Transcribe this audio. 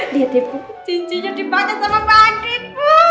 lihat ibu cincinnya dipakai sama pak adik